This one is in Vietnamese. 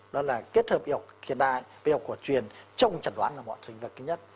đó là kết hợp y học hiện đại với y học quả truyền trong chẳng đoán là mọi thành vật thứ nhất